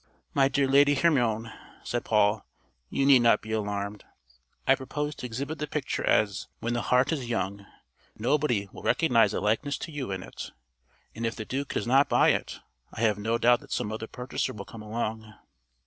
"My dear Lady Hermione," said Paul, "you need not be alarmed. I propose to exhibit the picture as 'When the Heart is Young.' Nobody will recognise a likeness to you in it. And if the Duke does not buy it I have no doubt that some other purchaser will come along."